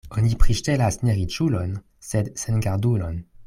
Oni priŝtelas ne riĉulon, sed sengardulon.